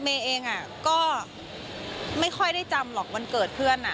เมย์เองก็ไม่ค่อยได้จำหรอกวันเกิดเพื่อน